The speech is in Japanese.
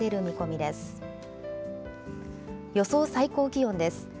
予想最高気温です。